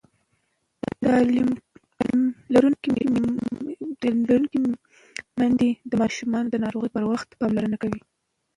تعلیم لرونکې میندې د ماشومانو د ناروغۍ پر وخت پاملرنه کوي.